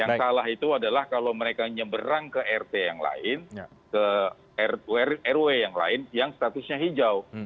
yang salah itu adalah kalau mereka nyeberang ke rt yang lain ke rw yang lain yang statusnya hijau